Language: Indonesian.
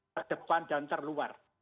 terdepan dan terluar